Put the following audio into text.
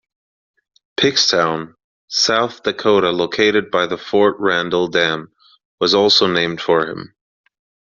Pickstown, South Dakota located by the Fort Randall Dam was also named for him.